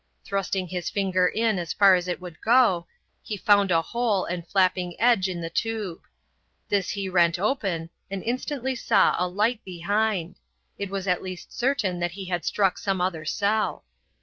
Thrusting his finger in as far as it would go, he found a hole and flapping edge in the tube. This he rent open and instantly saw a light behind; it was at least certain that he had struck some other cell.